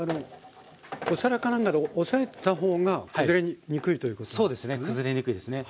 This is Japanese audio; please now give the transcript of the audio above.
お皿か何かで押さえた方が崩れにくいということですよね？